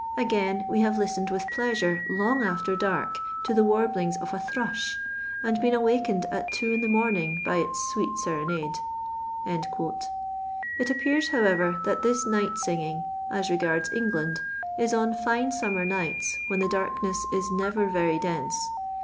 Again we have listened with pleasine long after dark to the warblings.of a Thrush, and been awakened at two in the morning by iu sweet serenade." It appears, however, that this night singing, as regards England, ii on fine summer nights when the darkness is never very dense.